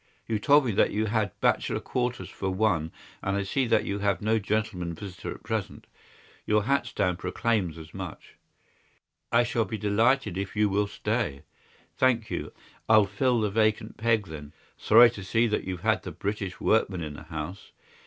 "You told me that you had bachelor quarters for one, and I see that you have no gentleman visitor at present. Your hat stand proclaims as much." "I shall be delighted if you will stay." "Thank you. I'll fill the vacant peg then. Sorry to see that you've had the British workman in the house.